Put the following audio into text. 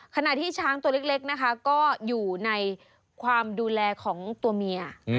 ขณะที่ช้างตัวเล็กนะคะก็อยู่ในความดูแลของตัวเมีย